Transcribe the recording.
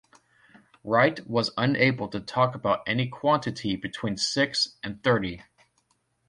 Wright was unable to talk about any quantity between six and thirty.